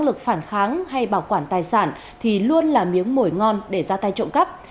nếu có năng lực phản kháng hay bảo quản tài sản thì luôn là miếng mồi ngon để ra tay trộm cắp